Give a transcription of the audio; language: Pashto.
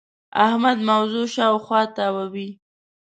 احمد موضوع شااوخوا تاووې.